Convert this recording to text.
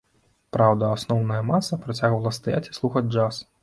Праўда, асноўная маса працягвала стаяць і слухаць джаз.